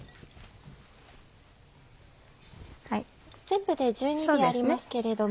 全部で１２尾ありますけれども。